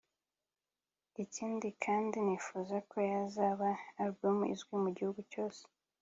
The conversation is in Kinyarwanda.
ikindi kandi nifuza ko yazaba album izwi mu gihugu cyose